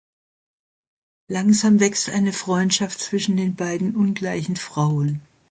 Langsam wächst eine Freundschaft zwischen den beiden ungleichen Frauen.